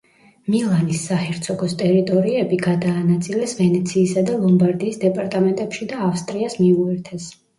მილანის საჰერცოგოს ტერიტორიები გადაანაწილეს ვენეციისა და ლომბარდიის დეპარტამენტებში და ავსტრიას მიუერთეს.